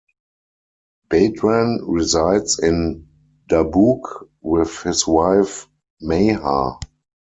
Badran resides in Dabouq with his wife, Maha.